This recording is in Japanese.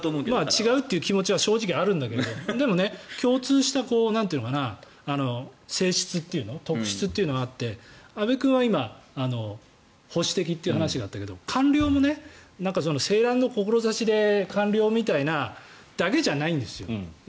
違うという気持ちは正直あるんだけどでも共通した性質というか特質というのがあって安部君は今保守的という話があったけど官僚も青らんの志で官僚みたいなだけじゃないんですよ。